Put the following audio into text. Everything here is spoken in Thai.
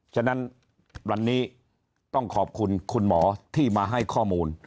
ฉะนั้นวันนี้ต้องขอบคุณคุณหมอที่มาให้ข้อมูล